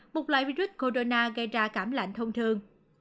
một loại virus corona gây ra cảm lạnh thông thường